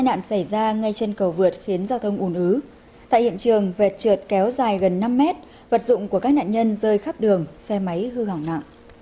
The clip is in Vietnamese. hãy đăng ký kênh để ủng hộ kênh của chúng mình nhé